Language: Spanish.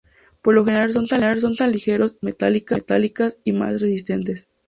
Por lo general son tan ligeros o más que las metálicas, y más resistentes.